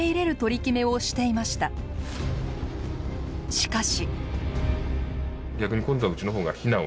しかし。